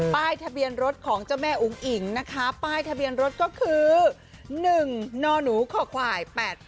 ป้ายทะเบียนรถของเจ้าแม่อุ๋งอิ๋งนะคะป้ายทะเบียนรถก็คือ๑นหนูขอควาย๘๘